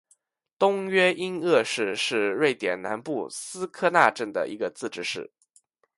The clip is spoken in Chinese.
东约因厄市是瑞典南部斯科讷省的一个自治市。